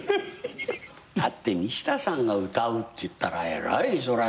だって西田さんが歌うっていったらえらいそら。